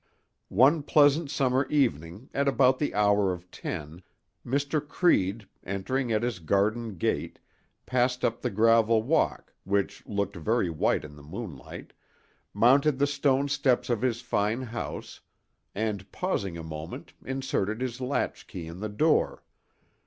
One pleasant summer evening at about the hour of ten Mr. Creede, entering at his garden gate, passed up the gravel walk, which looked very white in the moonlight, mounted the stone steps of his fine house and pausing a moment inserted his latchkey in the door.